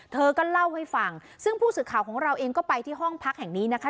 เธอก็เล่าให้ฟังซึ่งผู้สื่อข่าวของเราเองก็ไปที่ห้องพักแห่งนี้นะคะ